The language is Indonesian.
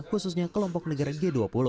khususnya kelompok negara g dua puluh